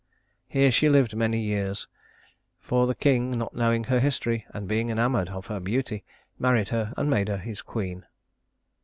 Here she lived many years, for the king, not knowing her history, and being enamored of her beauty, married her and made her his queen.